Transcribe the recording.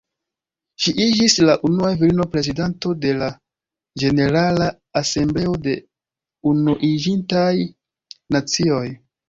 Ŝi iĝis la unua virino prezidanto de la Ĝenerala Asembleo de Unuiĝintaj Nacioj.